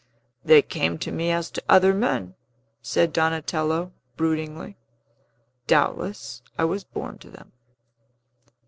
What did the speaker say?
"They came to me as to other men," said Donatello broodingly. "Doubtless I was born to them."